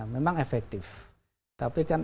memang efektif tapi kan